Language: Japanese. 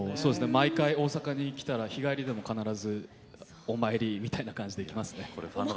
毎回、大阪に来たら日帰りでもお参りみたいな感じで行きますね。